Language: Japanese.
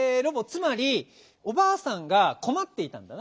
つまりおばあさんがこまっていたんだな？